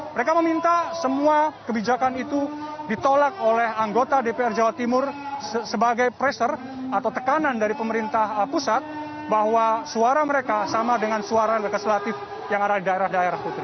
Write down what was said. mereka meminta semua kebijakan itu ditolak oleh anggota dpr jawa timur sebagai pressure atau tekanan dari pemerintah pusat bahwa suara mereka sama dengan suara legislatif yang ada di daerah daerah putri